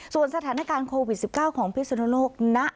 ส่วนสถานการณ์โควิด๑๙ของพิศนุโลกณ